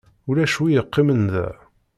Ulac wi yeqqimen da.